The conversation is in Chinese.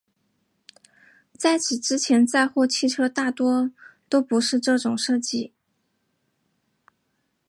在此之前载货汽车大多都不是这种设计。